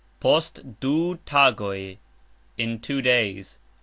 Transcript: Post du tagoj. In two days.